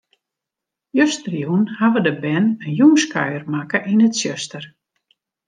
Justerjûn hawwe de bern in jûnskuier makke yn it tsjuster.